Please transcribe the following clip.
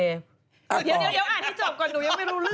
เดี๋ยวอ่านให้จบก่อนดูยังไม่รู้เรื่องมั่งงี้